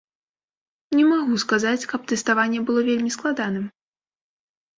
Не магу сказаць, каб тэставанне было вельмі складаным.